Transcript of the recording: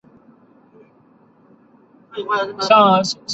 此时的中性粒子主要是星云中的氢分子。